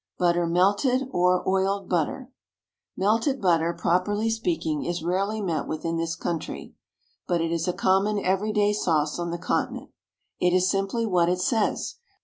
BUTTER, MELTED, OR OILED BUTTER. Melted butter, properly speaking, is rarely met with in this country, but is a common everyday sauce on the Continent. It is simply what it says.